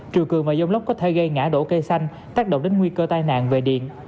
triều cường và dông lốc có thể gây ngã đổ cây xanh tác động đến nguy cơ tai nạn về điện